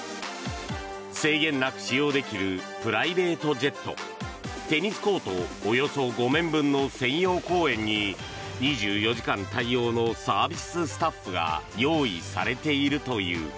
制限なく使用できるプライベートジェットテニスコートおよそ５面分の専用公園に２４時間対応のサービススタッフが用意されているという。